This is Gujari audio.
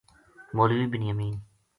مولوی بنیامین